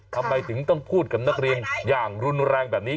ทำไมถึงต้องพูดกับนักเรียนอย่างรุนแรงแบบนี้